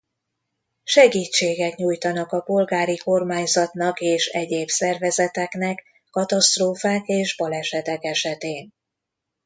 Segítséget nyújtanak a polgári kormányzatnak és egyéb szervezeteknek katasztrófák és balesetek esetén.